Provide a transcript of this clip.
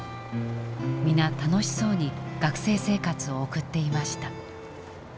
皆楽しそうに学生生活を送っていました。